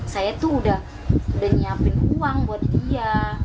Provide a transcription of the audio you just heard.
saya tuh udah nyiapin uang buat dia